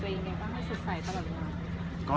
ให้สุดใสตลอดหรือเปล่า